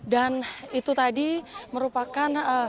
dan itu tadi merupakan momen ini